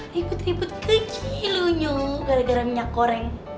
ribut ribut kecil gara gara minyak goreng